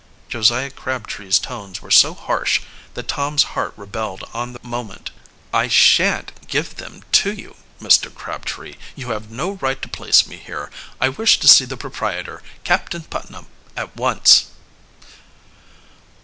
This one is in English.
Josiah Crabtree's tones were so harsh that Tom's heart rebelled on the moment. "I shan't give them to you, Mr. Crabtree. You have no right to place me here. I wish to see the proprietor, Captain Putnam, at once."